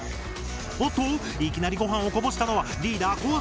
おっといきなりごはんをこぼしたのはリーダーこうせい君。